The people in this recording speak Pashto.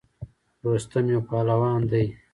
رستم یو پهلوان دی.